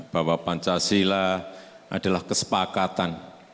bapak pancasila adalah kesepakatan